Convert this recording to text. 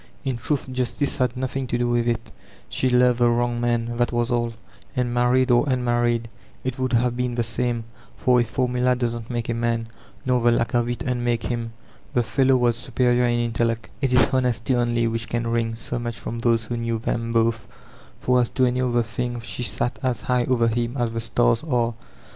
In truth, justice had nothing to do with it; she loved the wrong man, that was all ; and married or un married, it would have been the same, for a formula doesn't make a man, nor the lack of it unmake hint The fellow was superior in intellect It is honesty only which can wring so much from those who knew them both, for as to any other thing she sat as high over him as the stars are.